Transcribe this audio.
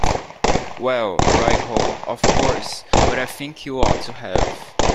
Well, right-ho, of course, but I think you ought to have.